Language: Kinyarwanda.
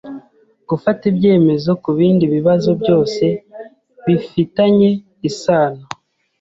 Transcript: gufata ibyemezo ku bindi bibazo byose bifi tanye isano